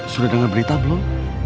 sudah dengar berita belum